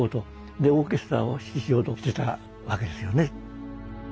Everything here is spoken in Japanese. でオーケストラを指揮しようとしてたわけですよね。